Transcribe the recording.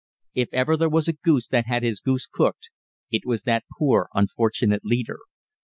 If ever there was a goose that had his goose cooked, it was that poor, unfortunate leader.